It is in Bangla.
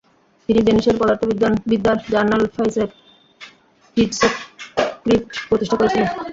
তিনি ডেনিশের পদার্থবিদ্যার জার্নাল ফাইসেক টিডসক্রিফ্ট প্রতিষ্ঠা করেছিলেন ।